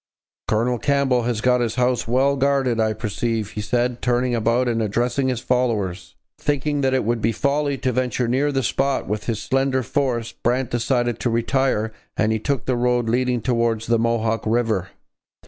'Colonel Campbell has got his house well guarded, I perceive,' he said, turning about and addressing his followers. Thinking that it would be folly to venture near the spot with his slender force, Brant decided to retire and he took the road leading towards the Mohawk river.